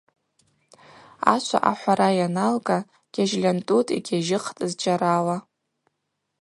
Ашва ахӏвара йаналга, гьажьльантӏутӏ йгьажьыхтӏ зджьарала.